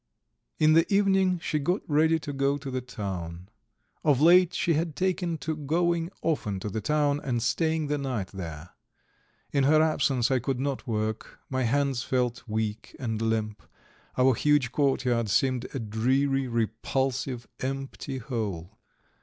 XVI In the evening she got ready to go to the town. Of late she had taken to going often to the town and staying the night there. In her absence I could not work, my hands felt weak and limp; our huge courtyard seemed a dreary, repulsive, empty hole.